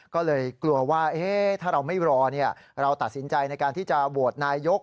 ก็เลยกลัวว่าถ้าเราไม่รอเราตัดสินใจในการที่จะโหวตนายก